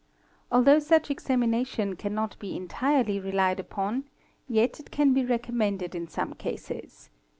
Although such examination cannot be entirely relied upon, yet it can be recommended in some cases.